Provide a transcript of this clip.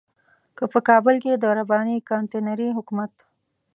که په کابل کې د رباني کانتينري حکومت.